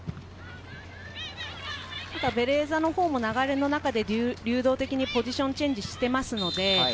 ベレーザも流れの中で流動的にポジションチェンジしています。